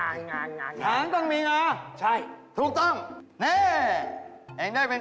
ไอ้เมสตาขบินเลือดไป